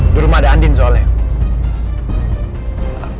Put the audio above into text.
di rumah ada andin soalnya